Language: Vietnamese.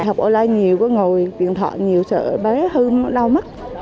học online nhiều có ngồi điện thoại nhiều sợ bé hương đau mắt